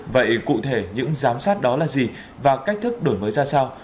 vậy cụ thể những giám sát đó là gì và cách thức đổi mới ra sao